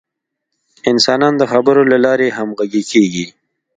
انسانان د خبرو له لارې همغږي کېږي.